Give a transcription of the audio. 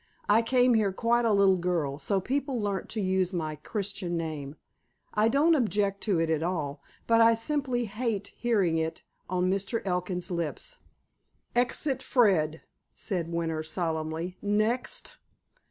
I came here quite a little girl, so people learnt to use my Christian name. I don't object to it at all. But I simply hate hearing it on Mr. Elkin's lips." "Exit Fred!" said Winter solemnly. "Next!"